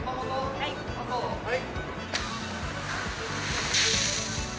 はい。